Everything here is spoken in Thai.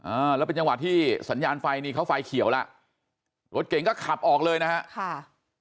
อ่าแล้วเป็นจังหวะที่สัญญาณไฟนี่เขาไฟเขียวแล้วรถเก่งก็ขับออกเลยนะฮะค่ะ